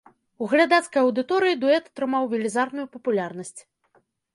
У глядацкай аўдыторыі дуэт атрымаў велізарную папулярнасць.